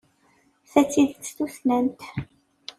Ta d tidet tussnant.